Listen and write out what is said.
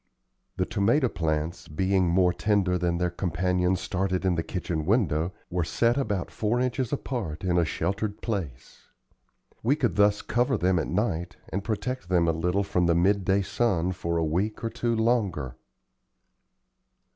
The tomato plants, being more tender than their companions started in the kitchen window, were set about four inches apart in a sheltered place. We could thus cover them at night and protect them a little from the midday sun for a week or two longer.